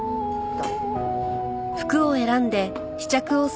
どう？